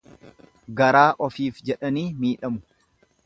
Garaa ofiif jedhanii miidhamu.